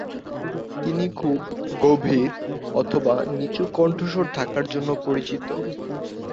তিনি খুব গভীর অথবা নিচু কণ্ঠস্বর থাকার জন্য পরিচিত।